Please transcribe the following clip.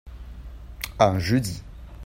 Un jeudi.